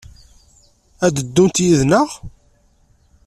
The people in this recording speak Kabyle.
Ad d-ddunt yid-neɣ?